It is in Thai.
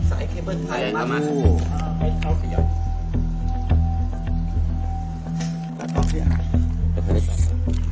อะไรก่อนไข่หาด